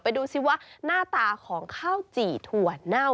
ดูสิว่าหน้าตาของข้าวจี่ถั่วเน่า